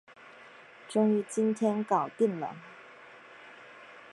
终于今天搞定了